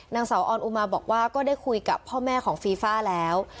นางสาวออนอุมาบอกว่าก็ได้คุยกับพ่อแม่ของฟีฟ่าแล้ว